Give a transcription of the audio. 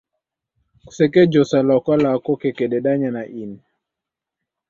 Kuseke josa lwaka lwako kakadedanya na ini